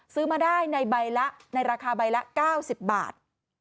ซื้อมาได้ในใบละในราคาใบละ๙๐บาท